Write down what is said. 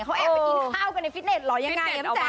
กินข้าวกันในฟิตเนตหรอยังไงยังไงแม่แม่แจ๊ก